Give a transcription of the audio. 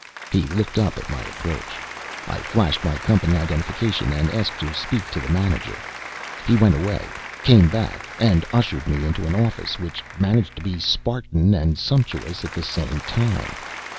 He looked up at my approach. I flashed my company identification and asked to speak to the manager. He went away, came back, and ushered me into an office which managed to be Spartan and sumptuous at the same time.